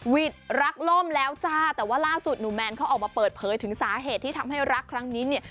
รักล่มแล้วจ้าแต่ว่าล่าสุดหนุ่มแมนเขาออกมาเปิดเผยถึงสาเหตุที่ทำให้รักครั้งนี้เนี่ย